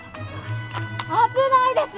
危ないです！